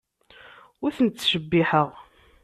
Ur ten-ttcebbiḥeɣ.